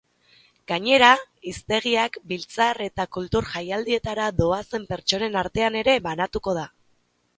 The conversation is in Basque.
Gainera, hiztegiak biltzar eta kultur jaialdietara doazen pertsonen artean ere banatuko da.